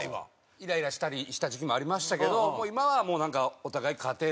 イライラしたりした時期もありましたけどもう今はなんかお互いハハハハ！